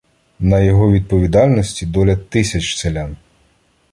На його відповідальності доля тисяч селян.